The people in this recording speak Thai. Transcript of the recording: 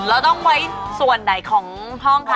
เราต้องไว้ส่วนไหนของห้องคะ